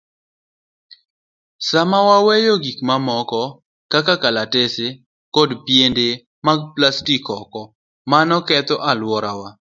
Sama waweyo gik moko kaka kalatese kod piende mag plastik oko, mano ketho alworawa.